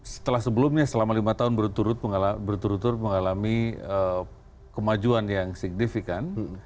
setelah sebelumnya selama lima tahun berturut turut mengalami kemajuan yang signifikan